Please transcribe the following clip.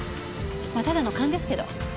まあただの勘ですけど。